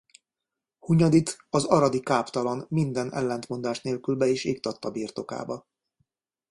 Hunyadit az aradi káptalan minden ellentmondás nélkül be is iktatta birtokába.